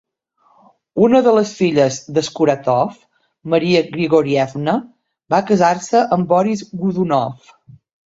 Una de les filles de Skuratov, Maria Grigorievna, va casar-se amb Boris Godunov.